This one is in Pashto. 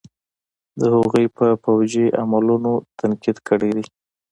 د هغوئ په فوجي عملونو تنقيد کړے دے.